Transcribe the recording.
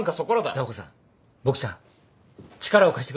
ダー子さんボクちゃん力を貸してくれないか？